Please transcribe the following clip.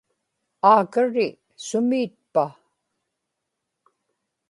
aakari sumiitpa